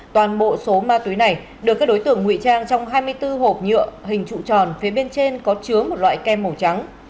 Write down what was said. toàn bộ số ma túy này được các đối tượng nguy trang trong hai mươi bốn hộp nhựa hình trụ tròn phía bên trên có chứa một loại kem màu trắng